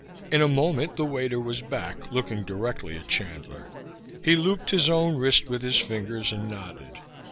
In a moment the waiter was back, looking directly at Chandler. He looped his own wrist with his fingers and nodded.